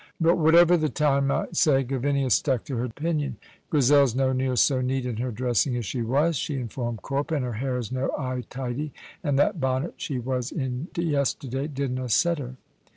But whatever the town might say, Gavinia stuck to her opinion. "Grizel's no near so neat in her dressing as she was," she informed Corp, "and her hair is no aye tidy, and that bonnet she was in yesterday didna set her."